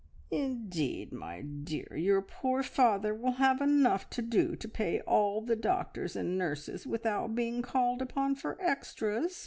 "Indeed, my dear, your poor father will have enough to do to pay all the doctors and nurses without being called upon for extras.